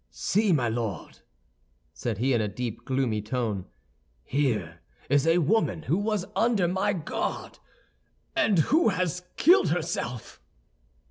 "See, my Lord," said he, in a deep, gloomy tone, "here is a woman who was under my guard, and who has killed herself!"